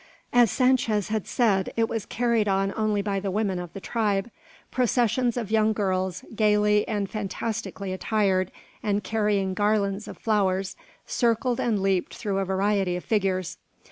As Sanchez had said, it was carried on only by the women of the tribe. Processions of young girls, gaily and fantastically attired, and carrying garlands of flowers, circled and leaped through a variety of figures.